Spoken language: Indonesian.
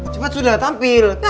cepat sudah tampil